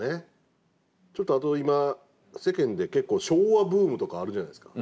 ちょっとあと今世間で結構昭和ブームとかあるじゃないですか。